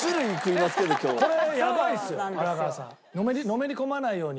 のめり込まないように。